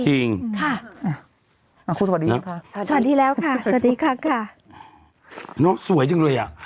อ่าคุณสวัสดีค่ะสวัสดีครับค่ะน่ะสวยจังเลยอะ